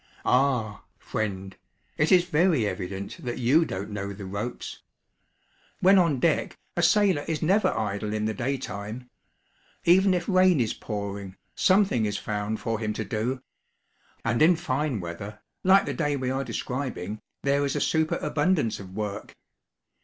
Ah, friend, it is very evident that you don't 'know the ropes!' When on deck, a sailor is never idle in the day time; even if rain is pouring, something is found for him to do; and in fine weather, like the day we are describing, there is a superabundance of work.